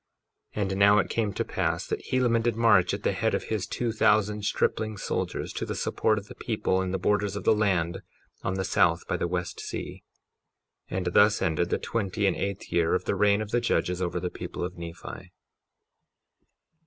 53:22 And now it came to pass that Helaman did march at the head of his two thousand stripling soldiers, to the support of the people in the borders of the land on the south by the west sea. 53:23 And thus ended the twenty and eighth year of the reign of the judges over the people of Nephi.